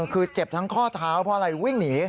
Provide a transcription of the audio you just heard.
คือเจ็บทั้งข้อเท้าเพราะอะไรวิ่งหนี